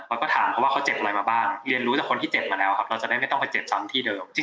เราก็ถามเขาว่าเขาเจ็บอะไรมาบ้างเรียนรู้จากคนที่เจ็บมาแล้วครับเราจะได้ไม่ต้องไปเจ็บซ้ำที่เดิม